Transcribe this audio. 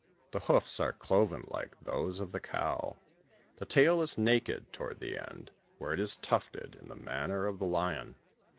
The hoofs are cloven like those of the cow. The tail is naked, toward the end, where it is tufted, in the manner of the lion.